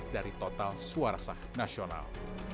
dari total suara sah nasional